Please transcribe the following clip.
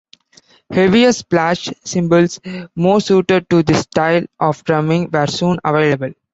Heavier splash cymbals, more suited to this style of drumming, were soon available.